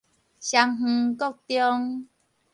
雙園國中